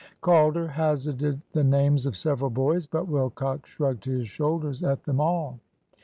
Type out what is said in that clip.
Calder hazarded the names of several boys; but Wilcox shrugged his shoulders at them all.